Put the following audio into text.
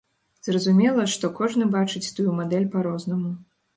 Зразумела, што кожны бачыць тую мадэль па-рознаму.